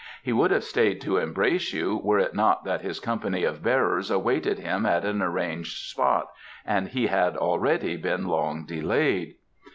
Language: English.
He would have stayed to embrace you were it not that his company of bearers awaited him at an arranged spot and he had already been long delayed."